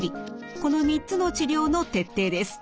この３つの治療の徹底です。